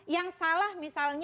yang salah misalnya